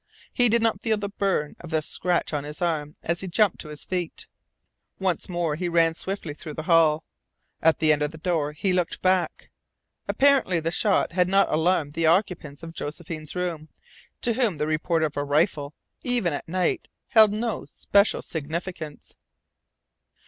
He did not feel the burn of the scratch on his arm as he jumped to his feet. Once more he ran swiftly through the hall. At the end door he looked back. Apparently the shot had not alarmed the occupants of Josephine's room, to whom the report of a rifle even at night held no special significance.